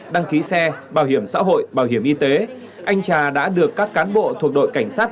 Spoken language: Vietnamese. đăng ký xe bảo hiểm xã hội bảo hiểm y tế anh trà đã được các cán bộ thuộc đội cảnh sát